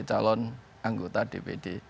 calon anggota dpd